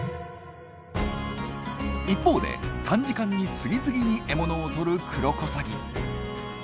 一方で短時間に次々に獲物をとるクロコサギ。